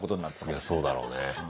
いやそうだろうね。